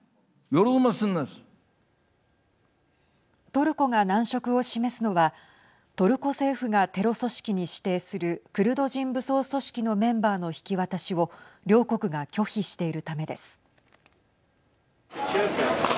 トルコが難色を示すのはトルコ政府がテロ組織に指定するクルド人武装組織のメンバーの引き渡しを両国が拒否しているためです。